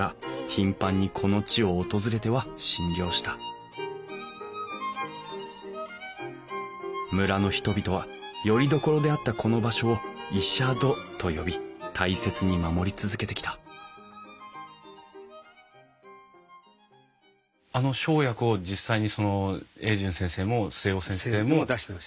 頻繁にこの地を訪れては診療した村の人々はよりどころであったこの場所を医者殿と呼び大切に守り続けてきたあの生薬を実際に榮順先生も末雄先生もこうやって。